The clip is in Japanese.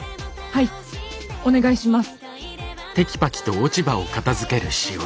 はいお願いします。